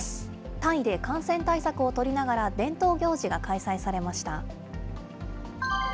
タイで感染対策を取りながら伝統行事が開催されました。